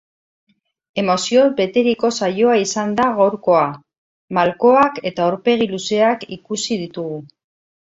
Emozioz beteriko saioa izan da gaurkoa, malkoak eta aurpegi luzeak ikusi ditugu.